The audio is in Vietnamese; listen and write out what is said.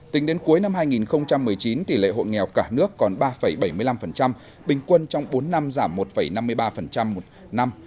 tính đến cuối năm hai nghìn một mươi chín tỷ lệ hộ nghèo cả nước còn ba bảy mươi năm bình quân trong bốn năm giảm một năm mươi ba một năm